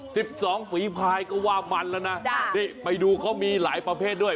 สิบสองฝีพายก็ว่ามันแล้วนะจ้ะนี่ไปดูเขามีหลายประเภทด้วย